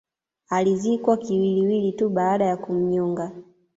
Alizikwa kiwiliwili tuu baada ya kumnyoga